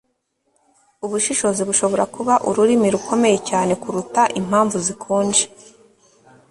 ubushishozi bushobora kuba urumuri rukomeye cyane kuruta impamvu zikonje